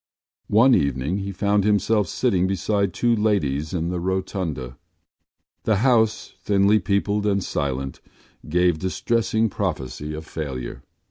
One evening he found himself sitting beside two ladies in the Rotunda. The house, thinly peopled and silent, gave distressing prophecy of failure.